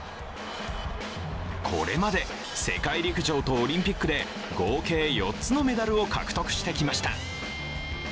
これまで世界陸上とオリンピックで合計４つのメダルを獲得してきました。